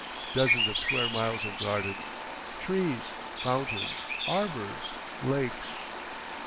Dozens of square miles of garden—trees—fountains—arbours—lakes.